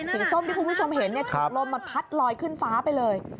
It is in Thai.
ส้มที่คุณผู้ชมเห็นถูกลมมันพัดลอยขึ้นฟ้าไปเลย